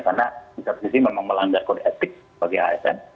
karena di satu sisi memang melanggar kode etik bagi asn